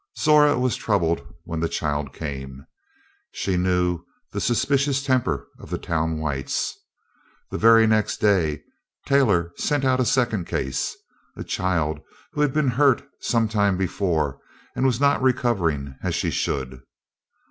Zora was troubled when the child came. She knew the suspicious temper of the town whites. The very next day Taylor sent out a second case, a child who had been hurt some time before and was not recovering as she should.